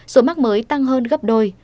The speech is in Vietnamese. số mắc mới tăng hơn gấp đôi